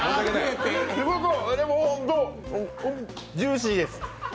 でもホント、ジューシーです。